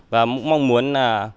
và mong muốn là